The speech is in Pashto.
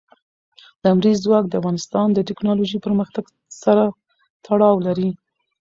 لمریز ځواک د افغانستان د تکنالوژۍ پرمختګ سره تړاو لري.